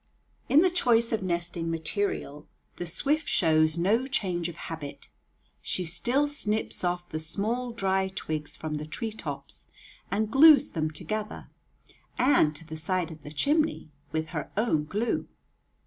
In the choice of nesting material the swift shows no change of habit. She still snips off the small dry twigs from the tree tops and glues them together, and to the side of the chimney, with her own glue.